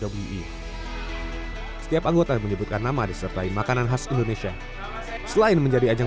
setiap anggota menyebutkan nama disertai makanan khas indonesia selain menjadi ajang